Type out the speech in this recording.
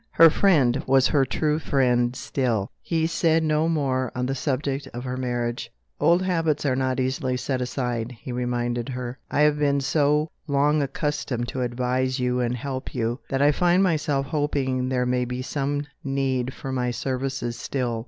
Her friend was her true friend still; he said no more on the subject of her marriage. "Old habits are not easily set aside," he reminded her. "I have been so long accustomed to advise you and help you, that I find myself hoping there may be some need for my services still.